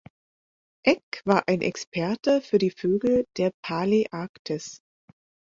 Eck war ein Experte für die Vögel der Paläarktis.